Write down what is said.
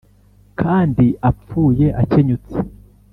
kandi apfuye akenyutse